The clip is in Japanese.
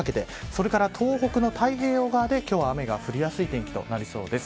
それから東北の太平洋側で今日は雨が降りやすい天気となりそうです。